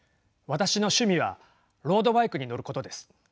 私の趣味はロードバイクに乗ることです。